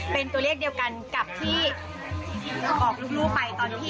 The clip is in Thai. เป็นตัวเลขเดียวกันกับที่ออกรูปไปตอนพี่สาวใครเห็นเป็นตัวเลขอะไรบ้างคะ